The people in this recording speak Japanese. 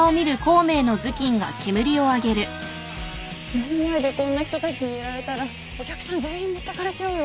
目の前でこんな人たちにやられたらお客さん全員持ってかれちゃうよ。